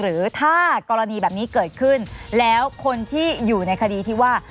หรือถ้ากรณีแบบนี้เกิดขึ้นแล้วคนที่อยู่ในคดีที่ว่า